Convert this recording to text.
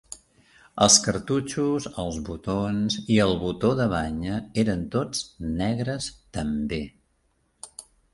Els cartutxos, els botons i el botó de banya eren tots negres també.